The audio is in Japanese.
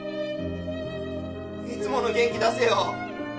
いつもの元気出せよ。